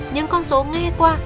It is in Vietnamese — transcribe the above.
những con số nghe qua